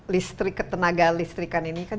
listrik ketenaga listrikan ini kan